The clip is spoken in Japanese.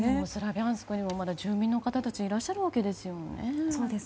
スラビャンスクにもまだ住民の方たちいらっしゃるわけですよね。